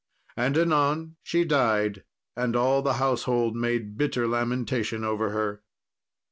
And anon she died, and all the household made a bitter lamentation over her.